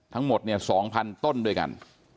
ทั้งหมดเนี่ย๒๐๐ต้นด้วยกัน